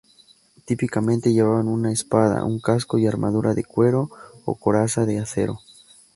Típicamente llevaban una espada, un casco y armadura de cuero o coraza de acero.